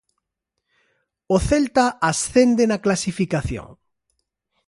O Celta ascende na clasificación.